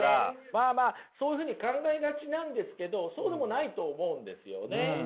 まあまあそういうふうに考えがちなんですけどそうでもないと思うんですよね。